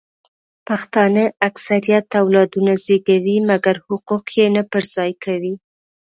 پښتانه اکثریت اولادونه زیږوي مګر حقوق یې نه پر ځای کوي